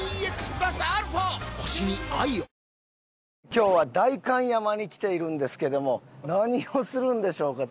今日は代官山に来ているんですけども何をするんでしょうか？